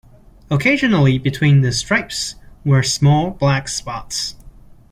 Occasionally, between the stripes, were small black spots.